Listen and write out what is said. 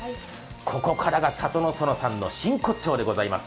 ここからが里之園さんの真骨頂でございます。